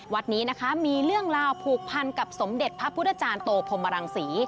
วัดนี้นะคะมีเรื่องราวผูกพันกับสมเด็จพระพุทธจารย์โตพรมรังศรี